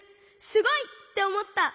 すごい！」っておもった！